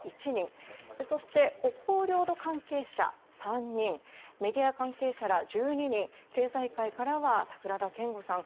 そして、北方領土関係者３人メディア関係者ら１２人経済界からは櫻田謙悟さん。